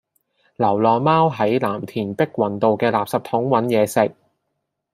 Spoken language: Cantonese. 流浪貓喺藍田碧雲道嘅垃圾桶搵野食